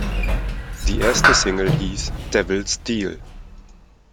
Die erste Single hieß "Devil's Deal".